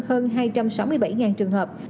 nhân hơn hai trăm sáu mươi bảy trường hợp